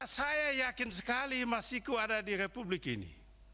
saya yakin sekali masiku ada di republik ini